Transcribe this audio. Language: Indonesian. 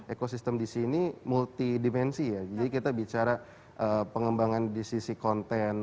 ekosistem di sini multidimensi ya jadi kita bicara pengembangan di sisi konten